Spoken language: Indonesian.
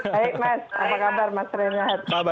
baik mas apa kabar mas renhat